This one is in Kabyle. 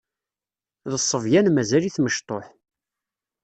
D ṣṣebyan mazal-it mecṭuḥ.